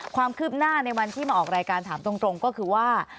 ความคืบหน้าในวันที่มาออกรายการถามตรงก็คือว่า